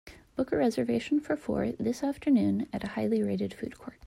Book a reservation for four this Afternoon at a highly rated food court